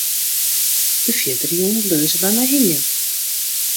De fierdere jûn bleau se by my hingjen.